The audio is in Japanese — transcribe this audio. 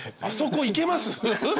あそこいけます？